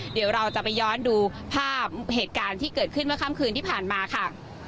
เดี๋ยวเราจะไปย้อนดูภาพเหตุการณ์ที่เกิดขึ้นเมื่อค่ำคืนที่ผ่านมาค่ะ